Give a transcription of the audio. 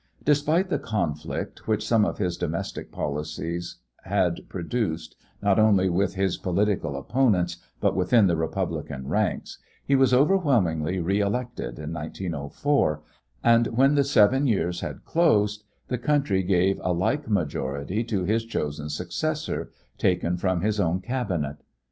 Despite the conflict which some of his domestic policies had produce not only with his political opponents but within the Republican ranks, he was overwhelmingly reelected in 1904, and when the seven years had closed the country gave a like majority to his chosen successor, taken from his own Cabinet.